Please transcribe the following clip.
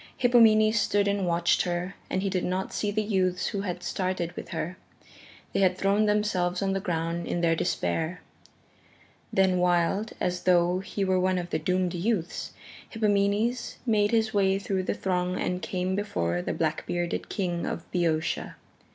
Hippomenes stood and watched her and he did not see the youths who had started with her they had thrown themselves on the ground in their despair. Then wild, as though he were one of the doomed youths, Hippomenes made his way through the throng and came before the black bearded King of Boeotia.